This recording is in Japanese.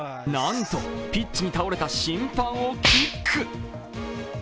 するとなんとピッチに倒れた審判をキック！